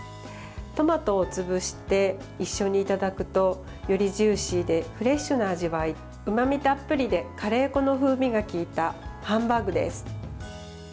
トマトを潰して一緒にいただくとよりジューシーでフレッシュな味わいうまみたっぷりでカレー粉の風味がきいたハンバーグです。